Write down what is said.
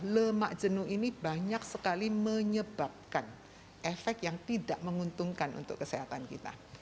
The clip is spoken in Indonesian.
lemak jenuh ini banyak sekali menyebabkan efek yang tidak menguntungkan untuk kesehatan kita